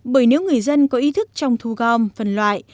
bởi nếu người dân có ý thức trong thu gom phân loại